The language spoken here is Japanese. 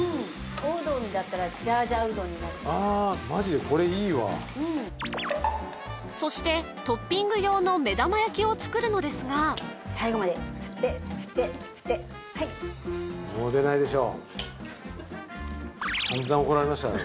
おうどんにだったらジャージャーうどんになるしマジでこれいいわそしてトッピング用の目玉焼きを作るのですが最後まで振って振って振ってはいさんざん怒られましたよね